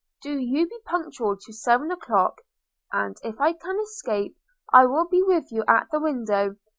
Do you be punctual to seven o'clock; and, if I can escape, I will be with you at the window.